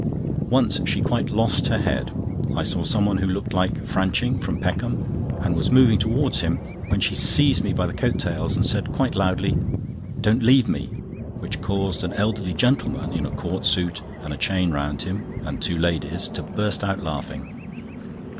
Once she quite lost her head. I saw someone who looked like Franching, from Peckham, and was moving towards him when she seized me by the coat tails, and said quite loudly: "Don't leave me," which caused an elderly gentleman, in a court suit, and a chain round him, and two ladies, to burst out laughing.